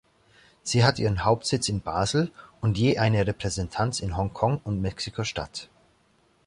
Sie hat ihren Hauptsitz in Basel und je eine Repräsentanz in Hongkong und Mexiko-Stadt.